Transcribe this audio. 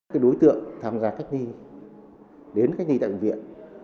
các đối tượng tham gia cách ly đến cách ly tại bệnh viện